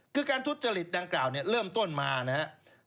คือการทุจริตดังกล่าวเนี่ยเริ่มต้นมานะครับ